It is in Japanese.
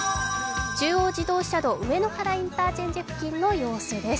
中央自動車道上野原インターチェンジ付近の様子です。